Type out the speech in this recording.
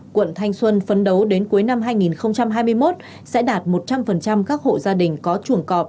quận thanh xuân phấn đấu đến cuối năm hai nghìn hai mươi một sẽ đạt một trăm linh các hộ gia đình có chuồng cọp